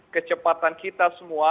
kecepatan kita semua